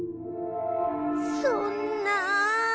そんなあ。